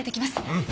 うん。